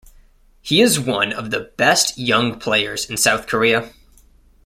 He is one of the best young players in South Korea.